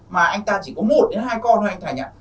mà anh ta chỉ có một đến hai con hay anh thành ạ